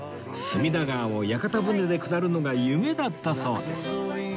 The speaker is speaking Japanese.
隅田川を屋形船で下るのが夢だったそうです